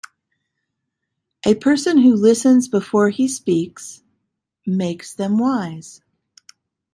A person who listens before he speaks, makes them wise.